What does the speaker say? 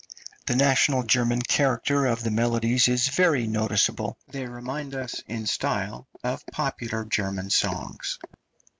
The national German character of the melodies is very noticeable; they remind us in style of popular German songs.